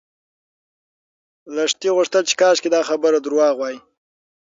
لښتې غوښتل چې کاشکې دا خبر درواغ وای.